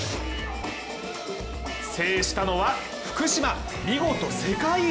制したのは福島、見事世界一。